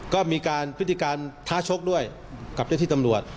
ก็มีการพฤติการท้าชกด้วยกับเจ้าที่ตำรวจ